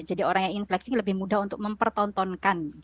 jadi orang yang ingin flexing lebih mudah untuk mempertontonkan